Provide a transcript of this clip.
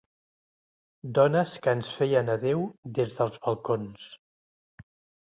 Dones que ens feien adéu des dels balcons.